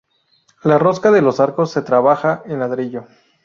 La rosca de los arcos se trabaja en ladrillo.